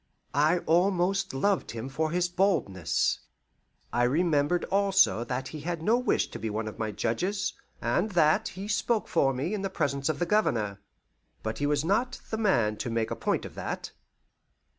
I almost loved him for his boldness. I remembered also that he had no wish to be one of my judges, and that he spoke for me in the presence of the Governor. But he was not the man to make a point of that.